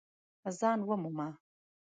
ځان ومومه !